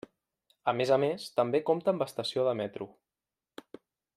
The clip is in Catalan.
A més a més, també compta amb estació de metro.